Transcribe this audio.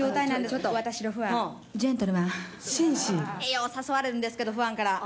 よう誘われるんですけどファンから。